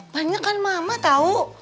banyakan mama tahu